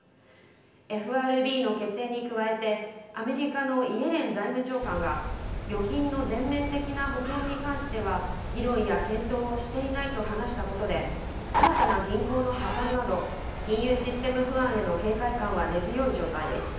ＦＲＢの決定に加えて、アメリカのイエレン財務長官が、預金の全面的な保険に関しては、議論や検討をしていないと話したことで、新たな銀行の破綻など、金融システム不安への警戒感は根強い状態です。